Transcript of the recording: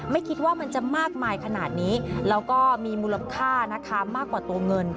ไม่คิดว่ามันจะมากมายขนาดนี้แล้วก็มีมูลค่านะคะมากกว่าตัวเงิน